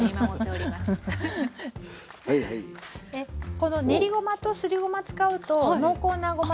この練りごまとすりごま使うと濃厚なごま